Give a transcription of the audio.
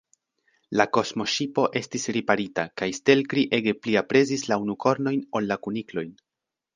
La kosmoŝipo estis riparita, kaj Stelkri ege pli aprezis la unukornojn ol la kuniklojn.